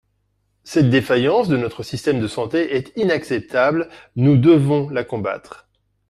Cette défaillance de notre système de santé est inacceptable, nous devons la combattre.